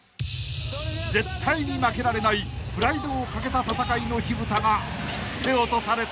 ［絶対に負けられないプライドをかけた戦いの火ぶたが切って落とされた］